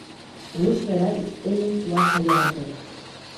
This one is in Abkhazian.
Уи сара истәыми, уаҳа иарбан!